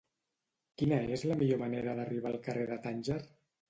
Quina és la millor manera d'arribar al carrer de Tànger?